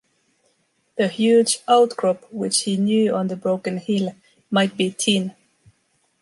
The huge outcrop which he knew on the broken hill might be tin.